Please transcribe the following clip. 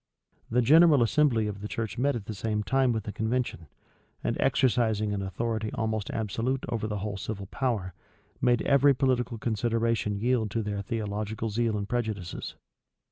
The general assembly of the church met at the same time with the convention; and exercising an authority almost absolute over the whole civil power, made every political consideration yield to their theological zeal and prejudices.